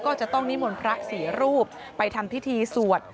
ก็จะต้องนิมนต์พระสี่รูปไปทำพิธีสวด